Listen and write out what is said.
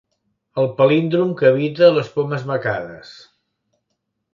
El palíndrom que habita les pomes macades.